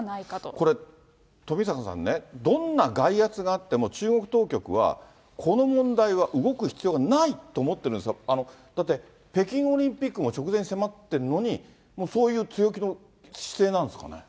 これ、富坂さんね、どんな外圧があっても、中国当局は、この問題は動く必要がないと思ってるんですか、だって、北京オリンピックも直前に迫ってるのに、もうそういう強気の姿勢なんですかね。